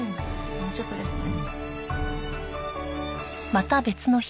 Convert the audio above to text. もうちょっとですね。